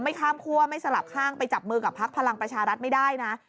ข้ามคั่วไม่สลับข้างไปจับมือกับพักพลังประชารัฐไม่ได้นะ